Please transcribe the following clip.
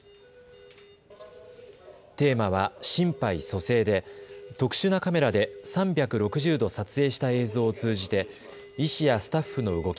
テーマは心肺蘇生で特殊なカメラで３６０度撮影した映像を通じて医師やスタッフの動き